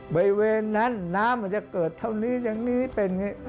บริเวณนั้นน้ำมันจะเกิดเท่านี้อย่างนี้เป็นอย่างนี้